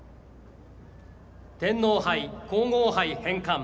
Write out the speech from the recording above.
天皇杯・皇后杯、返還。